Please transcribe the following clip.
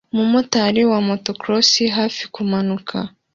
Umumotari wa motocross hafi kumanuka